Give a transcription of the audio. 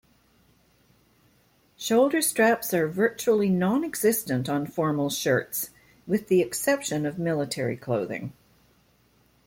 Shoulder straps are virtually non-existent on formal shirts, with the exception of military clothing.